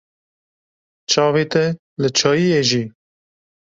Çavê te li çayê ye jî?